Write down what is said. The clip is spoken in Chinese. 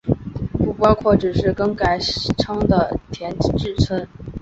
不包括只是更改名称的市町村。